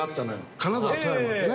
金沢、富山ってね。